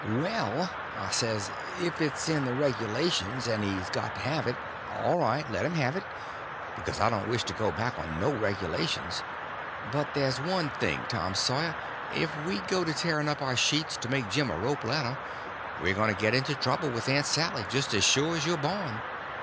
"Well," I says, "if it's in the regulations, and he's got to have it, all right, let him have it; because I don't wish to go back on no regulations; but there's one thing, Tom Sawyer—if we go to tearing up our sheets to make Jim a rope ladder, we're going to get into trouble with Aunt Sally, just as sure as you're born.